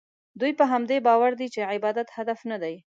دوی په همدې باور دي چې عبادت هدف نه دی.